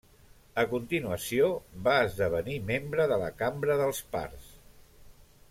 A continuació, va esdevenir membre de la Cambra dels pars.